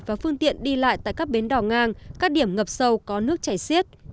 và phương tiện đi lại tại các bến đỏ ngang các điểm ngập sâu có nước chảy xiết